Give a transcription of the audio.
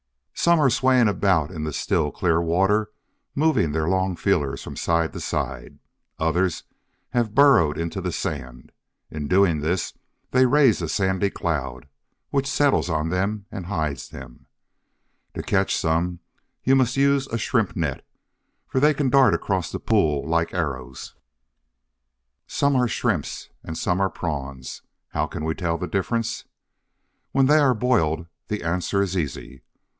Some are swaying about in the still, clear water, moving their long feelers from side to side. Others have burrowed into the sand. In doing this, they raise a sandy cloud, which settles on them and hides them. To catch some, you must use a "shrimp net," for they can dart across the pool like arrows. [Illustration: THE SHRIMP.] Some are Shrimps, and some are Prawns; how can we tell the difference? When they are boiled the answer is easy.